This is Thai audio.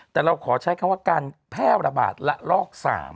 แต่เราขอใช้คำว่าการแพร่ระบาดระลอก๓